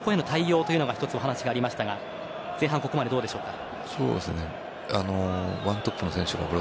そこへの対応というのが１つ、お話ありましたが前半、ここまでどうでしょうか？